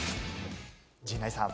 陣内さん。